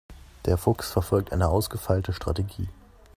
Der Fuchs verfolgt eine ausgefeilte Strategie.